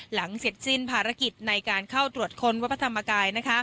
หลังเสร็จสิ้นภารกิจในการเข้าตรวจค้นวัดพระธรรมกาย